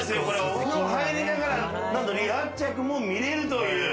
お風呂入りながら何と離発着も見れるという。